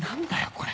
これ。